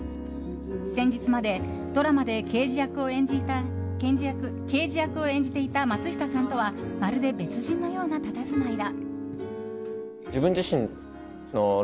先日までドラマで刑事役を演じていた松下さんとはまるで別人のようなたたずまいだ。